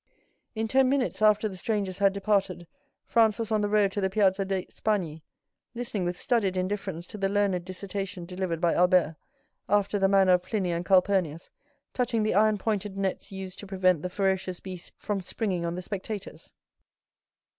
In ten minutes after the strangers had departed, Franz was on the road to the Piazza di Spagna, listening with studied indifference to the learned dissertation delivered by Albert, after the manner of Pliny and Calpurnius, touching the iron pointed nets used to prevent the ferocious beasts from springing on the spectators.